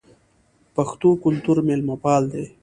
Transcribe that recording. پښتو کلتور میلمه پال دی